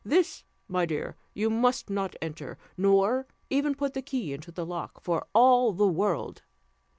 This, my dear, you must not enter, nor even put the key into the lock, for all the world.